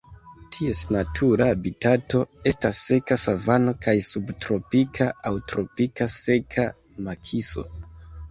Ties natura habitato estas seka savano kaj subtropika aŭ tropika seka makiso.